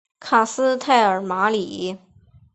卡斯泰尔马里。